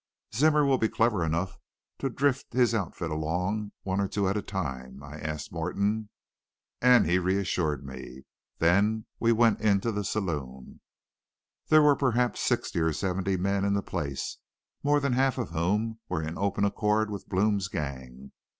"'Zimmer will be clever enough to drift his outfit along one or two at a time?' I asked Morton, and he reassured me. Then we went into the saloon. "There were perhaps sixty or seventy men in the place, more than half of whom were in open accord with Blome's gang.